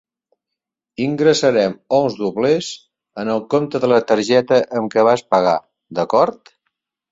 Ingressarem els doblers en el compte de la targeta amb què vas pagar, d'acord?